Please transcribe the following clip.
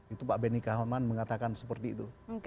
itu pak benny kahonman mengatakan seperti itu